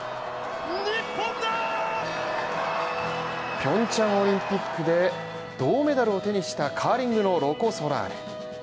平昌オリンピックで銅メダルを手にしたカーリングのロコ・ソラーレ。